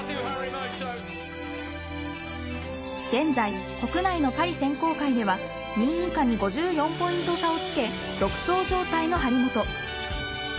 現在、国内のパリ選考会では２位以下に５４ポイント差をつけ独走状態の張本。